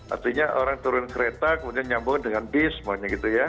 artinya orang turun kereta kemudian nyambung dengan bis semuanya gitu ya